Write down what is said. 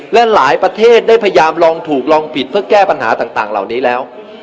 และหลายประเทศได้พยายามลองถูกลองผิดเพื่อแก้ปัญหาต่างเหล่านี้แล้ว